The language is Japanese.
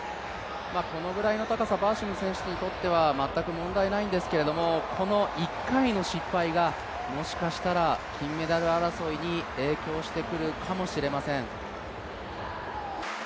このくらいの高さ、バーシム選手にとっては全く問題ないんですけれども、この１回の失敗がもしかしたら金メダル争いに影響してくるかもしれません。